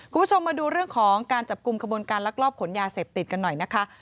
คุณผู้ชมมาดูเรื่องของการจับกลุ่มขบวนการลักลอบขนยาเสพติดกันหน่อยนะคะ